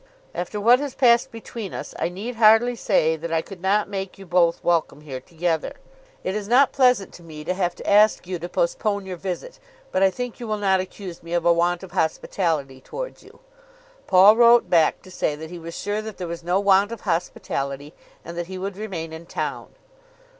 After what has passed between us I need hardly say that I could not make you both welcome here together. It is not pleasant to me to have to ask you to postpone your visit, but I think you will not accuse me of a want of hospitality towards you." Paul wrote back to say that he was sure that there was no want of hospitality, and that he would remain in town.